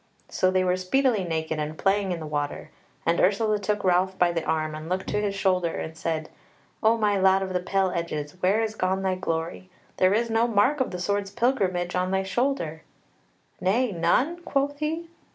So they were speedily naked and playing in the water: and Ursula took Ralph by the arm and looked to his shoulder and said: "O my lad of the pale edges, where is gone thy glory? There is no mark of the sword's pilgrimage on thy shoulder." "Nay, none?" quoth he.